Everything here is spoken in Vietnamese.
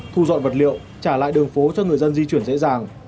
thu dọn vật liệu trả lại đường phố cho người dân di chuyển dễ dàng